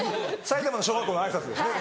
埼玉の小学校の挨拶ですね。